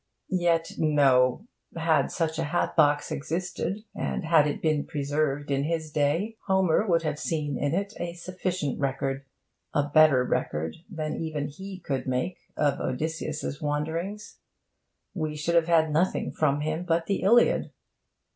Yet no! Had such a hat box existed and had it been preserved in his day, Homer would have seen in it a sufficient record, a better record than even he could make, of Odysseus' wanderings. We should have had nothing from him but the Iliad.